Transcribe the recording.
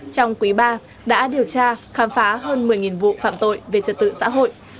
trong quý ba đã điều tra khám phá hơn một mươi vụ phạm tội về trật tự xã hội